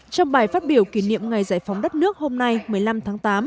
trong bài phát biểu kỷ niệm ngày giải phóng đất nước hôm nay một mươi năm tháng tám